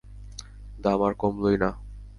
দাম আর কমালোই না।